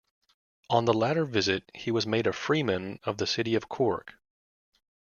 On the latter visit, he was made a Freeman of the City of Cork.